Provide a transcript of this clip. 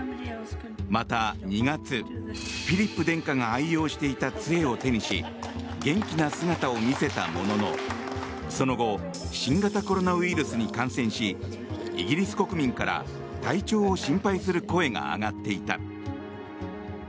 また、２月フィリップ殿下が愛用していた杖を手にし元気な姿を見せたもののその後新型コロナウイルスに感染しイギリス国民から体調を心配する声が上がっていた。